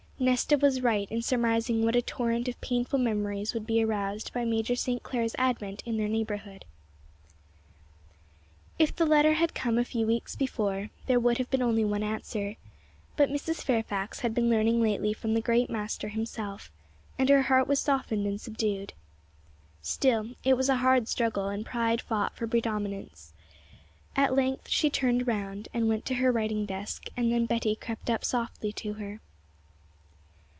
Nesta was right in surmising what a torrent of painful memories would be aroused by Major St. Clair's advent in their neighbourhood. If the letter had come a few weeks before, there would have been only one answer; but Mrs. Fairfax had been learning lately from the great Master Himself, and her heart was softened and subdued. Still it was a hard struggle, and pride fought for predominance. At length she turned round, and went to her writing desk; and then Betty crept up softly to her.